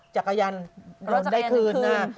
จักรยานล้นได้คืนน่า